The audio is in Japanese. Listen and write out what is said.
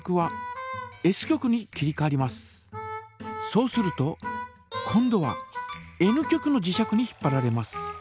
そうすると今度はＮ極の磁石に引っぱられます。